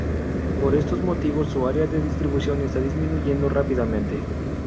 Por estos motivos su área de distribución está disminuyendo rápidamente.